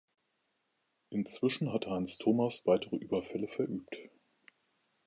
Inzwischen hatte Hans Thomas weitere Überfälle verübt.